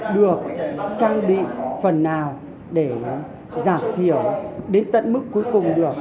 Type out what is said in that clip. được trang bị phần nào để giảm thiểu đến tận mức cuối cùng được